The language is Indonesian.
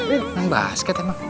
ini basket emang